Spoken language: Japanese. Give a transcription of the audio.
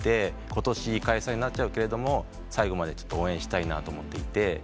ことし解散になっちゃうけれども最後まで応援したいなと思ってて。